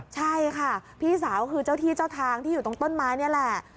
ใช่ค่ะพี่สาวคือเจ้าที่เจ้าทางที่อยู่ตรงต้นไม้นี่แหละ